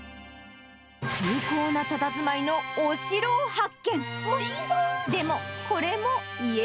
崇高なたたずまいのお城を発見。